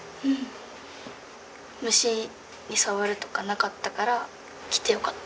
虫に触るとかなかったから来てよかった。